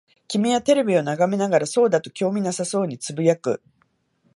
君はテレビを眺めながら、そうだ、と興味なさそうに呟く。